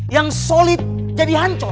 yang solid jadi hancur